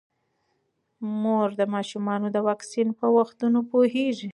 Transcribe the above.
مور د ماشومانو د واکسین په وختونو پوهیږي.